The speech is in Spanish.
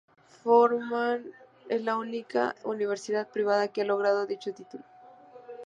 Furman es la única universidad privada que ha logrado dicho título.